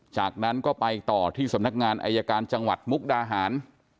จากนั้นก็ไปต่อที่สำนักงานอายการจังหวัดมุกดาหาร